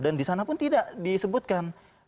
dan di sana pun tidak disebutkan